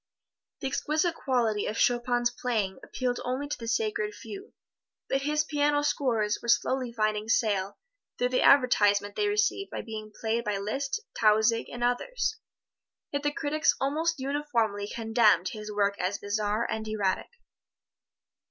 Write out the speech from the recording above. The exquisite quality of Chopin's playing appealed only to the sacred few, but his piano scores were slowly finding sale, through the advertisement they received by being played by Liszt, Tausig and others. Yet the critics almost uniformly condemned his work as bizarre and erratic.